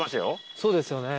そうですよね。